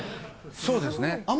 そうですね。